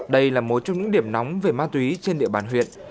đây là một trong những điểm nóng về ma túy trên địa bàn huyện